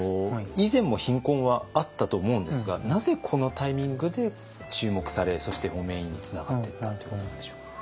以前も貧困はあったと思うんですがなぜこのタイミングで注目されそして方面委員につながっていったということなんでしょう？